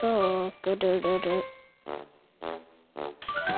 ぐるるる。